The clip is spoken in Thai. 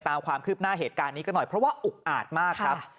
ตามความคืบหน้าเหตุการณ์นี้กันหน่อยเพราะว่าอุกอาจมากครับ